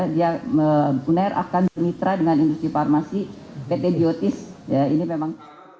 dia uner akan bermitra dengan industri farmasi pt biotis ya ini memang